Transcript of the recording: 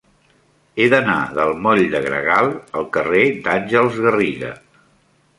He d'anar del moll de Gregal al carrer d'Àngels Garriga.